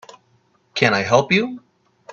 Can I help you?